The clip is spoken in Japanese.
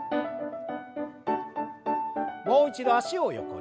もう一度脚を横に。